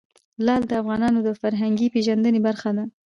لعل د افغانانو د فرهنګي پیژندنې برخه ده.